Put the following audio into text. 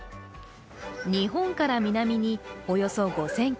日本から南におよそ５０００ｋｍ。